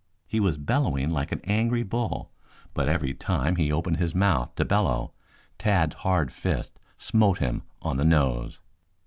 He was bellowing like an angry bull, but every time he opened his mouth to bellow, Tad's hard fist smote him on the nose.